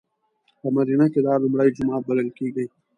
په مدینه کې دا لومړی جومات بللی کېږي.